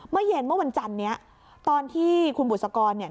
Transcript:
เมื่อเย็นเมื่อวันจันทร์นี้ตอนที่คุณบุษกรเนี่ย